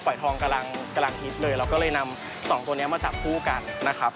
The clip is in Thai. ทองกำลังฮิตเลยเราก็เลยนำสองตัวนี้มาจับคู่กันนะครับ